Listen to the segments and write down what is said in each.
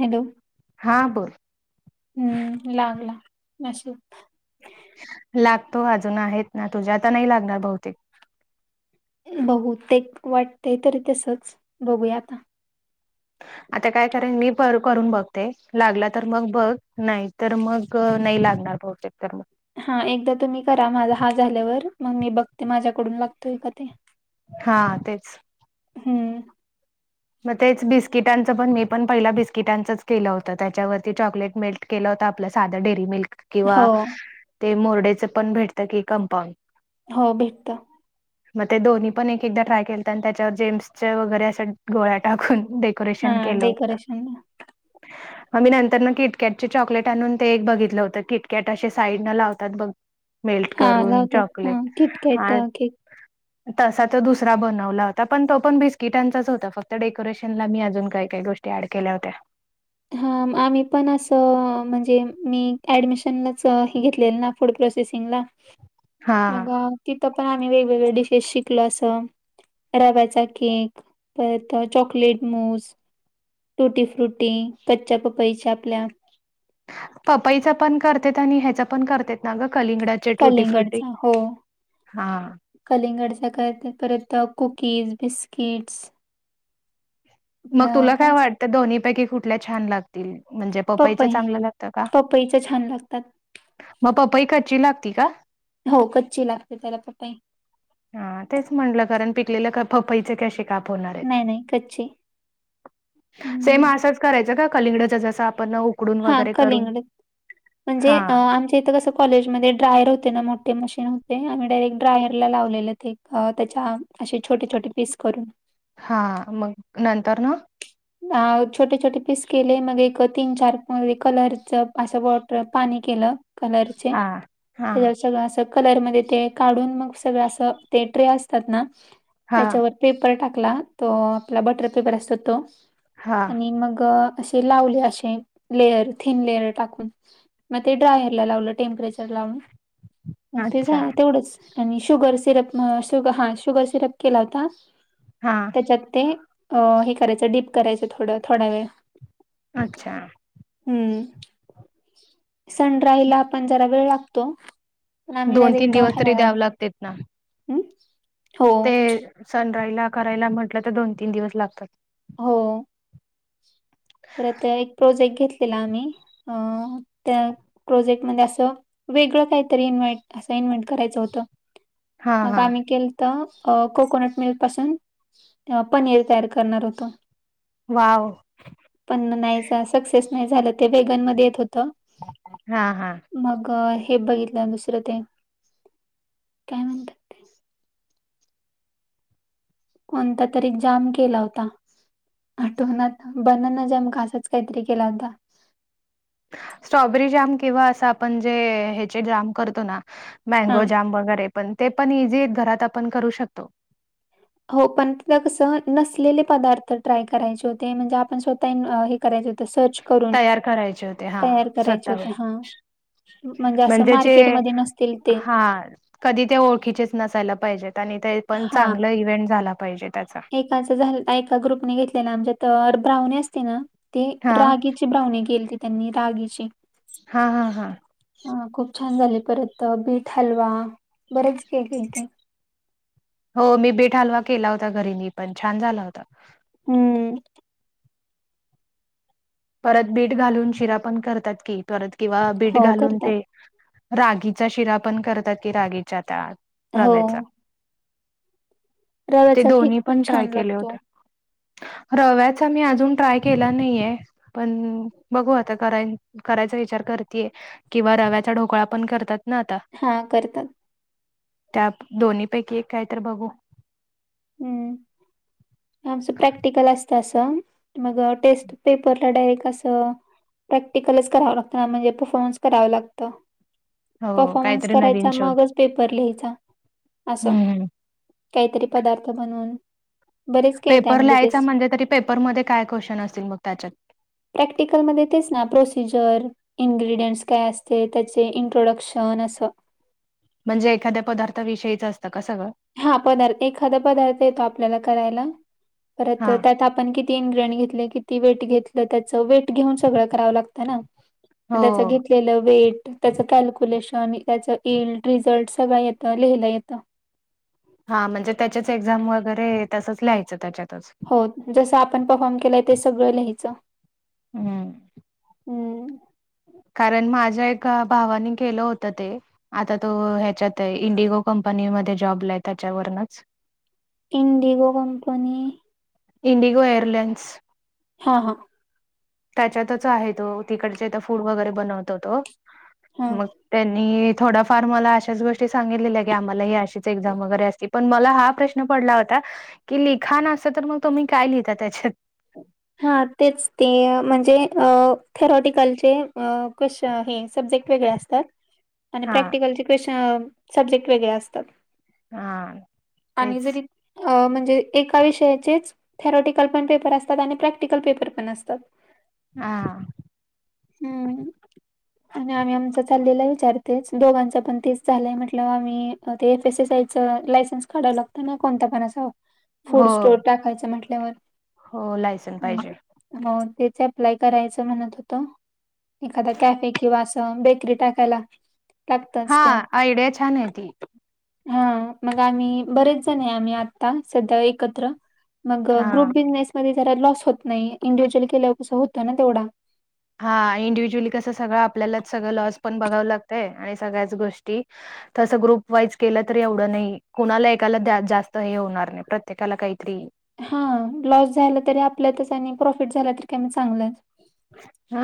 Hello. हां बोल. हम्म.. लागला नशीब. लागतो अजून आहेत ना. तुझ्या आता नाही लागणार बहुतेक. बहुतेक वाटतंय तरी तसच बघूया आता. [unintelligible] [inaudible] आता काय करेन मी पर करून बघते. लागला तर मग बघ नाही तर मग नाही लागणार बघ. चेक कर मग. हा एकदा तुम्ही करा माझा हा झाल्यावर मग मी बघते माझ्याकडून लागतोय का ते. हा तेच. हम्म. मग तेच बिस्किटांचं पण मी पण पहिला बिस्किटांचंच केलं होतं. त्याच्यावरती चॉकलेट मिेल्क केलं होत आपलं साधं डेअरी मिल्क हो किंवा ते मोरडेच पण भेटत की कंपाांग. हो भेटत. मग ते दोन्ही पण एक एकदा ट्राय केलत आणि त्याच्यावर जेम्सचे वगैरे अस गोळ्या टाकून [inaudible] हा डेकोरेशन. आम्ही नंतर मग किटकॅटचे चॉकलेट आणून ते एक बघितलं होतं. किटकॅट असे साईड न लावतात बघ. मेल्ट हा करून लावतात हा चॉकलेट ह किटकॅट अ, केक तसा तो दुसरा बनवला होता, पण तो पण बिस्किटांचाच होता. फक्त डेकोरेशन ला मी अजून काही काही गोष्टी ऍड केल्या होत्या. हा आम्ही पण असं म्हणजे, मी ऍडमिशनच घेतलेलं [inaudible] नाही फूड प्रोसेसिंगला हा मग तिथं पण आम्ही वेगवेगळे डिशेस शिकलो असं. रव्याचा केक परत चॉकलेट मूस. तुटी, फ्रुटी कच्च्या पपईच्या आपल्या. पपाईच पण [inaudible] करत आणि ह्याच पण [inaudible] करत ना ग कलिंगडा. चे ट्रुटी फ्रूटी हा. कलिंगड चे करतात. परत कुकीज, बिस्किट्स. मग तुला काय वाटतं दोन्हीपैकी कुठल्या छान लाग. [inaudible] लागतील म्हणजे पपाईच पपई चांगलं लागत का? पपईच छान लागतात मग पपई कच्ची लागती का? हो कच्ची लागते त्याला पपई. हा तेच म्हंटलं कारण पिकलेलं का पपईचे कसे खाप होणार. आहेत नाही, नाही कच्ची. सेम हम्म असंच करायचं का कलिंगडच जस आपण उकडून हा वगैरे करून कलिंगड म्हणजे. हा आमच्या इथं कसं कॉलेजमध्ये ड्रायर होते ना मोठे मशीन होते. [inaudible] आम्ही डायरेट ड्रायर लावले ते. अ त्याच्या असे छोटे छोटे पीस करून. हा मग नंतर ना. अ छोटे छोटे पीस केले मग एक तीन चार कलरच असं परत पाणी केलं कलरचे. हा हा त्याच्यावर सगळं असं कलरमध्ये ते काढून मग सगळं असं ते ट्रे असतात ना, हा त्याच्यावर पेपर टाकला तो आपला बटर पेपर असतो तो. हा आणि मग अशे लावले अशे लेयर थीन लेयर टाकून. मग ते ड्रायरला लावलं टेम्परेचर लावून, मग ते अच्छा झा तेवढंच. आणि शुगर सिरप मगं हा शुगर सिरप केला होता. हा त्याच्यात ते हे करायचं डीप करायचं थोडं थोड्यावेळ. अच्छा! हम्म सनड्रायला पण जरा वेळ लागतो. पण आम्ही डायरेक्ट ह्याला लावलं. देत ना अह हो सनड्रायला करायला म्हटलं तर दोन तीन दिवस लागतात. हो परत एक प्रोजेक्ट घेतलेला आम्ही अं त्यात प्रोजेक्टमध्ये असं वेगळं काहीतरी इन्व्हेंट असं इन्वेंट करायचं होतं. हा मग हा आम्ही केल त कोकोनट मिल्क पासून, पनीर तयार करणार होतो. वाव! पण नाही सक्सेस नाही झालं ते वेगनमध्ये येतं होतं हा हा मग हे बघितलं दुसरं ते, काय म्हणतात? कोणता तरी जाम केला होता. आठवणा आता बनाना जाम का असाच काहीतरी केला होता. स्ट्रॉबेरी जाम किंवा असं आपण जे ह्याचे जाम करतो ना, हा मँगोजाम वगैरे पण ते पण इझीत घरात आपण करू शकतो. हो पण कसं नसलेले पदार्थ ट्राय करायचे होते, म्हणजे आपण स्वतः हे करायचं होतं सर्च. करून तयार करायचे होते हा तयार करायचे स्वतःवर. होते हा असं म्हणजे जे मार्केटमध्ये नसतील ते हा. कधी ते ओळखीचेच नसायला पाहिजेत आणि ते पण चांगलं इव्हेंट झाला पाहिजे त्याचा. असं झाल एका ग्रुपने घेतलेला आमच्या तर ब्राऊनी असते ना, ती हा रागीची ब्राउनी केलती त्यांनी रागीची. हा हा हा अ खूप छान झाले परत बीट हलवा, बरेच काय केलते. हो मी बीट हलवा केला होता घरी मी पण छान झाला होता. हम्म परत बीट घालून शिरा पण करतात की परत किंवा बीट हो घालून करतात ते, रागीचा शिरा पण करतात की रागीच्या त्या हो रव्याचा. ते रव्याचा केक दोन्ही पण ट्राय छान केले लागतो होते. रव्याचा मी अजून ट्राय केला नाहीये. पण बघू आता कराय करायचा विचार करतीये. किंवा रव्याचा ढोकळा पण करतात ना आता? हा करतात. त्या दोन्हीपैकी एक काय तर बघू हम्म आमच प्रॅक्टिकल अस तसं मग टेस्ट पेपरला डायरेक्ट असं प्रॅक्टिकलच कराव लागतं ना म्हणजे परफॉर्मनस करावं लागतं हो परफॉर्मन्स काहीतरी नवीन करायचा शोध. मगच पेपर लिह्याचा हं, असं हं. काहीतरी पदार्थ बनवून बरेच केलते पेपर आम्ही लिह्याचा डिशेस म्हणजे तरी पेपरमध्येध्ये काय क्वेश्चन असतील मग त्याच्यात? प्रॅक्टिकलमध्ये तेच ना प्रोसिजर इन्ग्र्रीडियंट्स काय असते, त्याचे इंट्रोडक्शन असं म्हणजे एखाद्या पदार्थाविषयीचं असतं का सगळं? हा पदार्थ, एखादा पदार्थ येतो आपल्याला करायला परत हां. त्यात आपण कित तीन ग्रेन घेतले किती वेट घेतलं त्याचं वेट घेऊन सगळं करावं लागतं ना. त्याच हो. घेत लं वेट, त्याचं कॅल्क्युलेशन त्याचं एलड रिझल्ट सगळ येतं लिहिलं येतं हा म्हणजे त्याच्याच एक्झाम वगैरे तसंच लिहायचं त्याच्यातच हो जसं आपण परफॉर्म केलाय ते सगळं लिहायचं हम्म हम्म कारण माझ्या एका भावाने केलं होतं ते आता तो ह्याच्यात हाय, इंडिगो कंपनीमध्ये जॉबला हाय त्याच्यावरूनच इंडिगो कंपनी इंडिगो एअरलाईनस हा हा त्याच्यातच आहे तो, तिकडचे फूड वगैरे बनवतो तो हा. मग त्यांनी थोडाफार मला अशाच गोष्टी सांगितलेल्या की आम्हाला हे अशे तेच एक्साम वैगेरे असते, पण मला हा प्रश्न पडला होता की लिखाण असतं तर मग तुम्ही काय लिहता त्याच्यात? हा तेच ते, म्हणजे थेरॉटिकलचे क त हे सब्जेक्ट वेगळे असतात आणि हा प्रॅक्टिकलचे क्वेश्चन सब्जेक्ट वेगळे असतात हा आणि तेच जरी अ म्हणजे एका विषयाचेच, थेरॉटिकल पण पेपर अस आणि प्रॅक्टिकल पेपर पण असतात. हा हम्म आणि आम्ही आमचा चाललेला विचार त्योच दोघांच पण तेच झालंय म्हटल्यावर आम्ही ते एफ एस एस आय चं लायसन्स काढव लागतं ना कोणत्या पण अस फूड हो स्टोअर टाकायचं म्हटल्यावर हो लायसन पाहिजे हम्म. हो तेच अप्लाय करायचं म्हणत होतो एखाद कॅफे किंवा असं बेकरी टाकायला लागतच हा ते आयडिया छान हाय ती हा मग आम्ही बरेच जण हाय आम्ही आता, सध्या एकत्र मग हा ग्रुप बिझनेसमध्ये जरा लॉस होत नाही, इंडिव्हिज्युअल केल्यावर कसं होतं ना तेवढा हा इंडिव्हज्युअली कसं सगळं आपल्याला सगळं लॉस पण बघावं लागतंय आणि सगळ्याच गोष्टी तसं ग्रुप वाईज केलं तरी एवढं नाही, कुणाला एकाला जास्त हे होणार नाही प्रत्येकाला काहीतरी हा लॉस झालं तरी आपल्यातच आणि प्रॉफिट झालं तरी काय मग चांगलच. हा.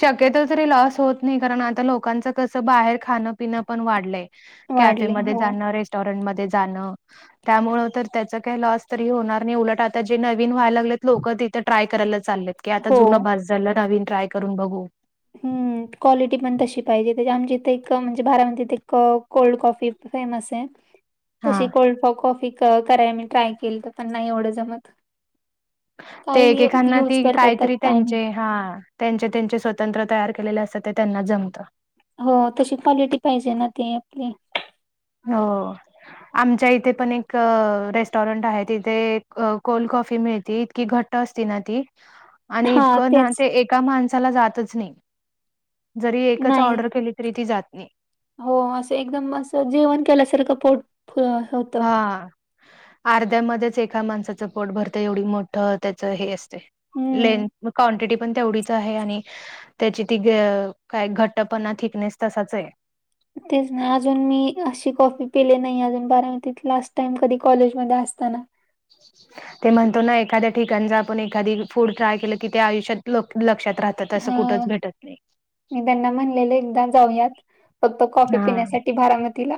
शक्यतो तरी लॉस होत नाही, कारण आता लोकांच कसं बाहेर खाणं पिणं पण वाढलंय. वाढले कॅफेमध्ये हो जाणं रेस्टॉरंट मध्ये जाणं. त्यामुळं तर त्याच काही लॉस तरी होणार नाही. उलट आता जे नवीन व्हायला लागलेत लोक तिथे ट्राय करायला चाललेत. की आता हो. जुनं बस झालं, नवीन ट्राय करून बघू. हम्म. क्वालिटी पण तशी पाहिजे, त्या आमच्या इथे एक म्हणजे बारामतीत एक कोल्ड कॉफी फेमस आहे. [inaudible] तशी हां. कोल्ड कॉ कॉफी करायला मी ट्राय केलंत पण नाही एवढं जमत. ते काय एकेकांना युज ती करतात त्यात कायतरी काय माहित. त्यांची, हा. त्यांचे त्यांचे स्वतंत्र तयार केलेले असतात ते त्यांना जमतं. हो तशी क्वालिटी पाहिजे ना ते आपली. हो. आमच्या इथे पण एक रेस्टॉरंट आहे, तिथे कोल्ड कॉफी मिळती ती इतकी घ ट्ट असती ना ती [inaudible] आणि इतकं ना तेच ते एका माणसाला जातच नाही. जरी एकच नाही. ऑर्डर केली तरी ती जात नाही. हो असं एकदम असं जेवण असं केल्यासारखं पोट होतं. हा अर्ध्यामध्येच एका माणसाचं पोट भरतं एवढी मोठं त्याचं हे अस ते हम्म. लेंथ क्वांटिटी पण तेवढीच आहे आणि त्याची ती काय घट्टपणा थिकनेस तसाचंय. तेच ना अजून मी अशी कॉफी पिली नाही अजून बारामतीत लास्ट टाइम कधी कॉलेजमध्ये असताना. ते म्हणतो ना एखाद्या ठिकाणी जर आपण एखादी फूड ट्राय केलं, की ते आयुष्यात लक्षात राहतात असं कुठंच हा भेटत नाही. मी त्यांना म्हणलेले एकदा जाऊयात. फक्त कॉफी हां. पिण्यासाठी बारामतीला.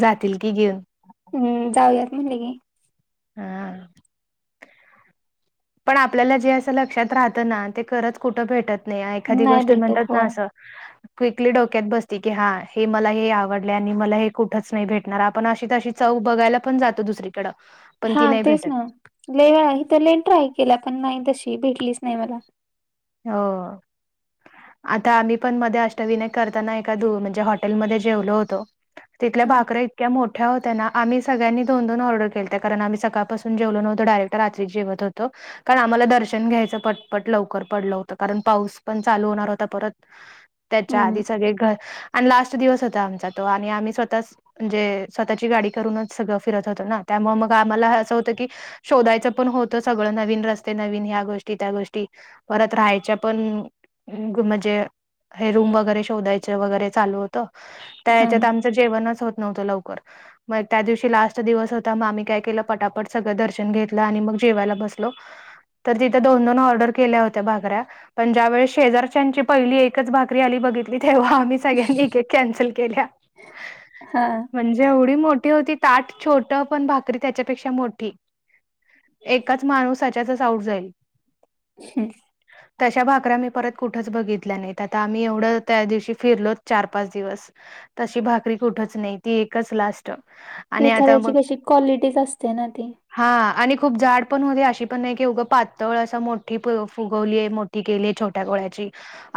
जातील की घेऊन. हम्म जाऊयात म्हणले की. हा. पण आपल्याला जे असं लक्षात राहतं ना, ते खरंच कुठं भेटत नाही एखादी नाही गोष्ट भेटत म्हणतात ना असं. [inaudible] क्विकली डोक्यात बसती की, हा हे मला हे आवडले आणि मला हे कुठंच नाही भेटणार आपण अशी तशी चव बघायला पण जातो दुसरीकडं. पण हा ती नाही तेच भेटत. ना लाई वेळा इथं लई ट्राय केला पण नाही तशी भेटलीच नाही मला. हो. आता आम्ही पण मध्ये अष्टविनायक करताना एका म्हणजे हॉटेलमध्ये जेवलो होतो. तिथल्या हा भाकऱ्या इतक्या मोठ्या हो त्या ना आम्ही सगळ्यांनी दोन दोन ऑर्डर केलं त्या, कारण आम्ही सकाळासून जेवलो नव्हतो डायरेक्ट रात्री जेवत होतो. कारण आम्हाला दर्शन घ्यायचं पटपट लवकर पडलं होतं, कारण पाऊस पण चालू होणार होता परत त्याच्या हम्म आधी सगळे घर आणि लास्ट दिवस होता आमचा तो आणि आम्ही स्वतः म्हणजे स्वतःची गाडी करूनच सगळं फिरत होतं ना, त्यामुळे मग आम्हाला असं होतं की शोधायचं पण होतं सगळं नवीन रस्ते नवीन ह्या गोष्टी त्या गोष्टी परत राहायच्या पण म्हणजे हे रूम वगैरे शोधायचं वगैरे चालू होतं त्या हा हेच्यात आम्ही त जेवनच होत नव्हत लवकर. म त्या दिवशी लास्ट दिवस होता. मग आम्ही काय केलं? पटापट सगळं दर्शन घेतलं आणि मग जेवायला बसलो. तर तिथ दोन दोन ऑर्डर केल्या होत त्या भाकऱ्या. पण ज्या वेळी शेजारच्याची पहिली एकच भाकरी आली, बघितली. तेव्हा आम्ही सगळनी एक एक कॅन्सल केल्या. हा म्हणजे एवढी मोठी होती, ताट छोट पण भाकरी त्याच्यापेक्षा मोठी. एकाच माणूस तेच्यातच आऊट जाईल. [unintelligible] तशा भाकऱ्या मी परत कुठंच बघितल्या नाहीत. आता आम्ही एवढं त्या दिवशी फिरलो चार पाच दिवस तशी भाकरी कुठच नाही, ती एकच लास्ट. आणि आता एखाद्याची कशी क्वालिटीच असते ना ती. हा आणि खूप जाड पण होते अशी पण नाही की उगं पातळ असं मोठी पू फुगवलीय मोठी केली छोट्या गोळ्याची,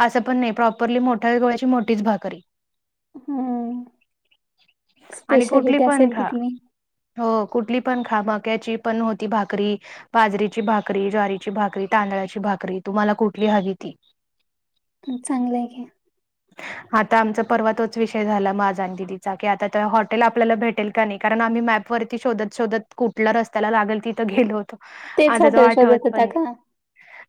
असं पण नाही. प्रॉपरली मोठ्या गोळ्याची मोठीच भाकरी. हं. आणि कुठली स्पेशलिटी पण असेल खा. तिथली. हो. कुठली पण खा. मक्याची पण होती भाकरी, बाजरीची भाकरी, ज्वारीची भाकरी, तांदळाची भाकरी तुम्हाला कुठली हवी ती. म चांगलं आहे की. आता आमचा परवा तोच विषय झाला, माझा अन दिदीचा की आता ते हॉटेल आपल्याला भेटेल का नाही? कारण आम्ही मॅप वरती शोधत शोधत कुठला रस्त्याला लागेल तिथं गेलो होतो. तेच आता तो हॉटेल आठवत शोधत पण होता नाही. का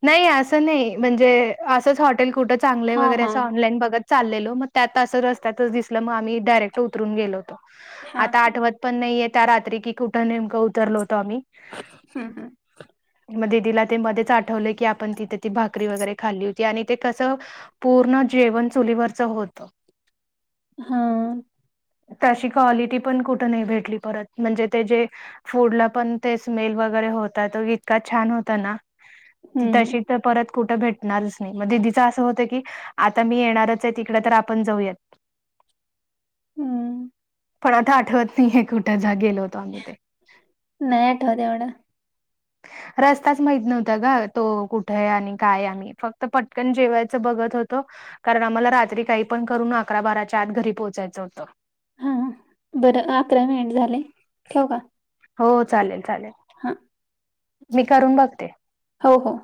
नाही असं नाही. म्हणजे असंच हॉटेल कुठं चांगलं हा वगैरे हा असं ऑनलाईन बघत चाललेलो. मग त्यात असं रस्त्यातच दिसलं. मग आम्ही डायरेक्ट उतरून गेलो होतो. हा आता हा आठवत पण नाहीये त्या रात्री की कुठं नेमकं उतरल होतं आम्ही? हं हं. म दिदीला ते मध्ये च आठवलं की आपण तिथे ती भाकरी वगैरे खाल्ली होती. आणि ते कसं पूर्ण जेवण चुलीवरच होत. हां. तशी क्वालिटी पण कुठे नाही भेटली परत. म्हणजे ते जे फूड ला पण ते स्मेल वगैरे होत, तो इतका छान होता ना, की हम्म तशी त परत कुठं भेटणारच नाही. मग दिदीच असं होतं की आता मी येणारच आहे तिकडे तर आपण जाऊयात. हं. पण आता आठवत नाहीये कुठे जा गेलो होतो आम्ही ते. नाही आठवत एवढं. रस्ताच माहीत नव्हता ग. तो कुठय आणि काय आम्ही? फक्त पटकन जेवायचं बघत होतो. कारण आम्हाला रात्री काही पण करून अकरा बाराच्या आत घरी पोहोचायचं होतं. हां, बरं अकरा मिनिट झाले. ठेवू का? हो चालेल चालेल. हं. मी करून बघते. हो हो.